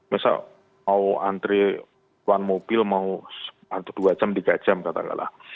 misal mau antri one mobil mau dua jam tiga jam katakanlah